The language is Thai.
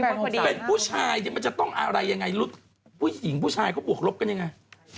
เป็นผู้ชายมันจะต้องอะไรยังไงผู้หญิงผู้ชายเขาบวกลบกันยังไง